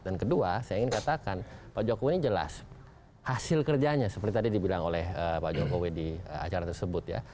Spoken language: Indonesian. dan kedua saya ingin katakan pak jokowi ini jelas hasil kerjanya seperti tadi dibilang oleh pak jokowi di acara tersebut ya